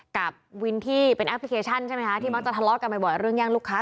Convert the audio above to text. กับวินที่เป็นแอปพลิเคชันใช่ไหมคะที่มักจะทะเลาะกันบ่อยเรื่องแย่งลูกค้า